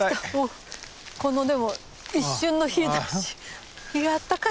このでも一瞬の日ざし日があったかい。